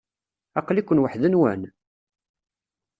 Aqli-ken waḥd-nwen?